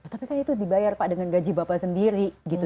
tapi kan itu dibayar pak dengan gaji bapak sendiri gitu